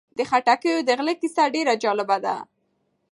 د خټکیو د غله کیسه ډېره جالبه ده.